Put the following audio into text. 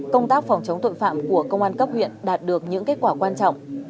công tác phòng chống tội phạm của công an cấp huyện đạt được những kết quả quan trọng